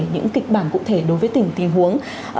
những kịch bản cụ thể đối với tình huống